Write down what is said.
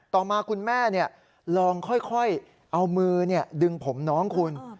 ต่อมาคุณแม่ลองค่อยเอามือดึงผมน้องคุณ